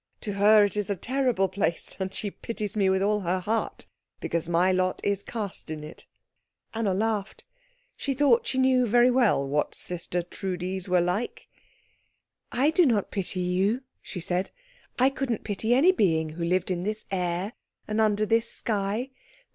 To her it is a terrible place, and she pities me with all her heart because my lot is cast in it." Anna laughed. She thought she knew very well what sister Trudis were like. "I do not pity you," she said; "I couldn't pity any being who lived in this air, and under this sky.